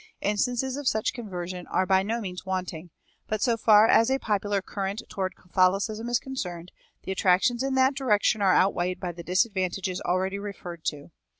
Instances of such conversion are by no means wanting; but so far as a popular current toward Catholicism is concerned, the attractions in that direction are outweighed by the disadvantages already referred to.